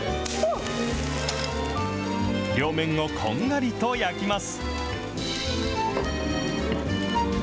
両面をこんがりと焼きます。